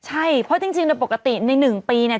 ใช่เพราะจริงโดยปกติใน๑ปีเนี่ย